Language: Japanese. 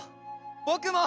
ぼくも！